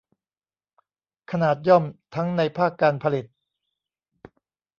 ขนาดย่อมทั้งในภาคการผลิต